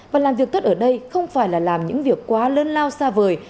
và làm việc tốt ở đây không phải là làm những việc quá lớn lao xa vời